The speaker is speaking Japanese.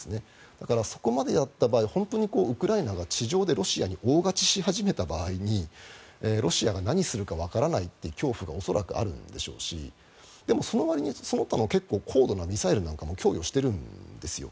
だから、そこまでやった場合本当にウクライナが地上でロシアに大勝ちし始めた場合にロシアが何するかわからない恐怖が恐らくあるんでしょうしでも、そのわりにその他の結構、高度なミサイルなんかも供与しているんですよ。